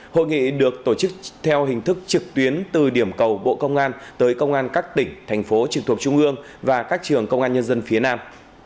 hội nghị được tổ chức theo hình thức trực tuyến từ điểm cầu bộ công an tới công an các tỉnh thành phố trực thuộc trung ương và các trường công an nhân dân phía nam